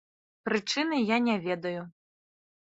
Прычыны я не ведаю.